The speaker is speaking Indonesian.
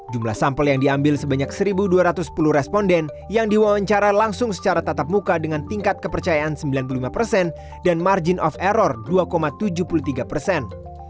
jumlah sampel yang diambil sebanyak satu dua ratus sepuluh responden yang diwawancara langsung secara tatap muka dengan tingkat kepercayaan sembilan puluh lima persen dan margin of error dua tujuh puluh tiga persen